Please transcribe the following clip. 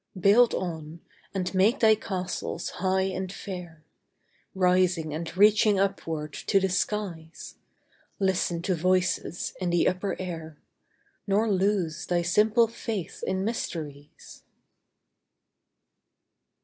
Build on, and make thy castles high and fair, Rising and reaching upward to the skies; Listen to voices in the upper air, Nor lose thy simple faith in mysteries.